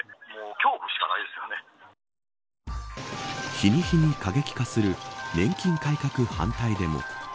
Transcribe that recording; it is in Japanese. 日に日に過激化する年金改革反対デモ。